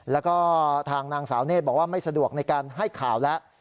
แล้วก็ทางนางสาวเนธบอกว่าไม่สะดวกในการให้ข่าวแล้ว